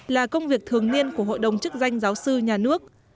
là công việc thường niên của hội đồng chức danh giáo sư nhà nước